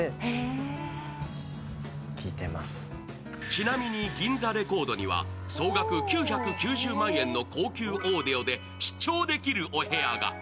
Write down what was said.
ちなみに銀座レコードには総額９９０万円の高級オーディオで試聴できるお部屋が。